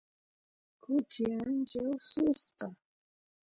kuchi ancha ususqa